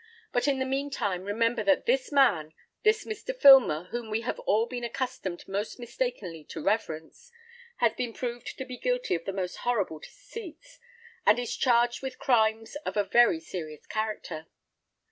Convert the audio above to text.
But, in the mean time, remember that this man, this Mr. Filmer, whom we have all been accustomed most mistakenly to reverence, has been proved to be guilty of the most horrible deceits, and is charged with crimes of a very serious character.